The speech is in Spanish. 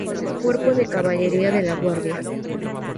Cuerpo de Caballería de la Guardia.